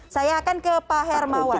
saya akan ke pak hermawan